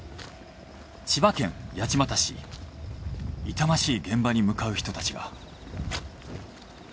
痛ましい現場に向かう人たちが。